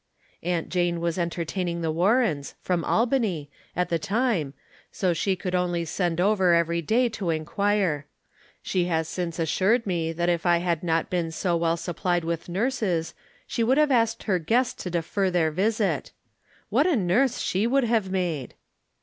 Aunt Jane was entertaining the Warrens, from Albany, at the time, so she could only send over every day to inquire. She has since assured me that if I had not been so well supplied with nurses she would have asked her guests to defer their visit. What a nurse she would have made